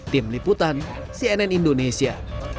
tim liputan cnn indonesia